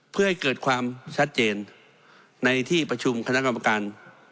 เพื่อให้เกิดความชัดเจนในที่ประชุมคณะกรรมการ